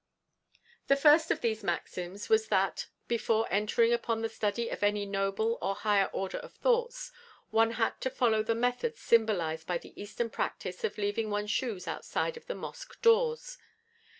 The first of these maxims was that, before entering upon the study of any noble or high order of thoughts, one had to follow the methods symbolised by the Eastern practice of leaving one's shoes outside of the Mosque doors.